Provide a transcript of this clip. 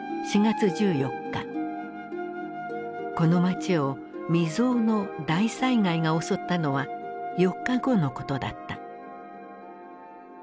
この街を未曽有の大災害が襲ったのは４日後のことだった。